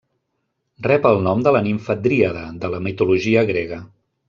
Rep el nom de la nimfa dríada de la mitologia grega.